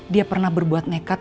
dia pernah berbuat nekat